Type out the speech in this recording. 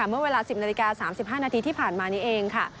เมื่อเวลา๑๐นาฬิกา๓๕นาทีที่ผ่านมานี้เองค่ะ